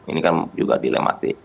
ini kan juga dilema